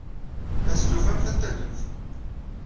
Ma testufamt, ad t-tallemt.